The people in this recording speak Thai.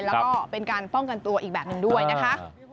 แล้วก็เป็นการป้องกันตัวอีกแบบหนึ่งด้วยนะคะ